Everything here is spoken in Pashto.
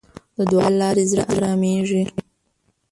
د دعا له لارې زړه آرامېږي.